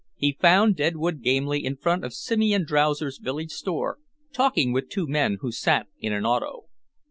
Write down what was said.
He found Deadwood Gamely in front of Simeon Drowser's village store, talking with two men who sat in an auto.